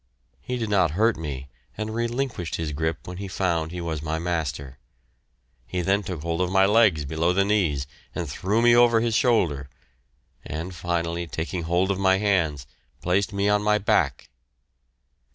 He did not hurt me, and relinquished his grip when he found he was my master. He then took hold of my legs below the knees and threw me over his shoulder, and finally, taking hold of my hands, placed me on my back.